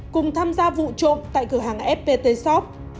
cùng tham gia vụ trộm tại cửa hàng fpt shop